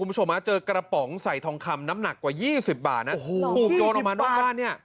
คุณผู้ชมฮะเจอกระป๋องใส่ทองคำน้ำหนักกว่ายี่สิบบาทนะโอ้โหถูกโยนออกมานอกบ้านเนี่ย